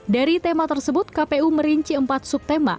dari tema tersebut kpu merinci empat subtema